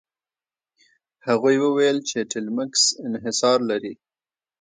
هغوی وویل چې ټیلمکس انحصار لري.